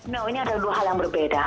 nah ini ada dua hal yang berbeda